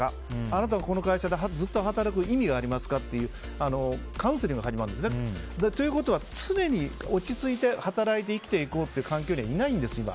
あなたはこの会社でずっと働く意味がありますかっていうカウンセリングが始まるんですね。ということは常に落ち着いて働いて生きていこうという環境にいないんですよ、今。